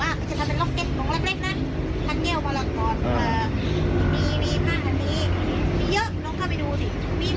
ไอ้ภาคก็แบ่งตู้บริจาคเข้าแต่ตู้บริจาค